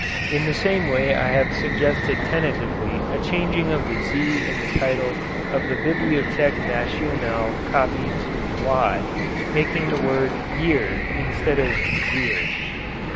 In the same way I have suggested tentatively a changing of the z in the title of the Bibliothèque Nationale copy to y, making the word yere instead of zere.